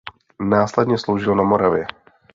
Následně sloužil na Moravě.